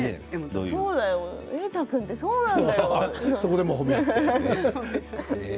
そうだよって瑛太君ってそうなんだよって。